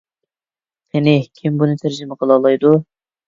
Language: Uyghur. قېنى كىم بۇنى تەرجىمە قىلالايدۇ؟